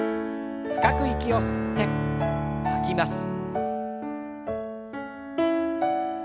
深く息を吸って吐きます。